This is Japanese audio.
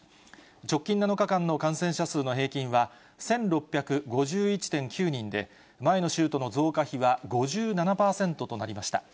直近７日間の感染者数の平均は１６５１．９人で、前の週との増加比は５７％となりました。